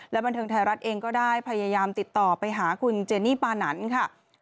บันเทิงไทยรัฐเองก็ได้พยายามติดต่อไปหาคุณเจนี่ปานันค่ะ